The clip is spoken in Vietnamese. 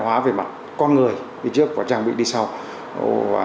hóa về mặt con người đi trước và trang bị đi sau